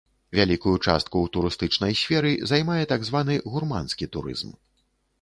Вялікую частку ў турыстычнай сферы займае так званы гурманскі турызм.